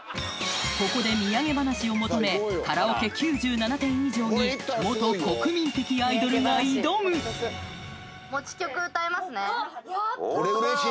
ここでみやげ話を求めカラオケ９７点以上に元国民的アイドルが挑むやった嬉しい！